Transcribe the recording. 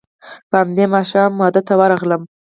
په همدې ماښام واده ته ورغلم.